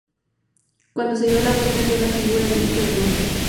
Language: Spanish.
Cuando se dio la vuelta, vio a la figura del Hijo del Hombre.